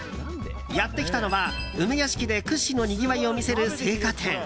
やってきたのは梅屋敷で屈指のにぎわいを見せる青果店。